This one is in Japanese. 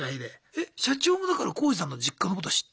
え社長もだからコウジさんの実家のことは知ってた？